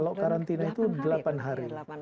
kalau karantina itu delapan hari